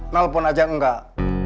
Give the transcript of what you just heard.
nelfon aja enggak